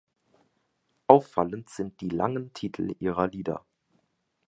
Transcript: Auffallend sind die langen Titel ihrer Lieder.